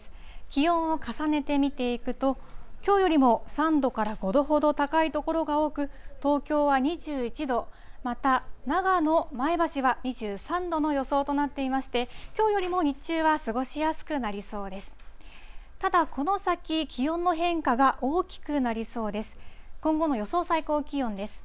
気温を重ねて見ていくと、きょうよりも３度から５度ほど高い所が多く、東京は２１度、また長野、前橋は２３度の予想となっていまして、きょうよりも日中は過ごしやすくなりそうです。